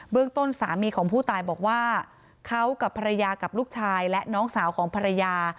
เรื่องต้นสามีของผู้ตายบอกว่าเขากับภรรยากับลูกชายและน้องสาวของภรรยา